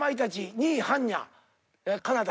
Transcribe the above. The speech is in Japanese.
２位はんにゃ金田。